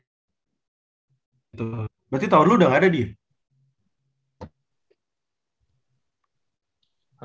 betul berarti tahun dulu udah gak ada dbl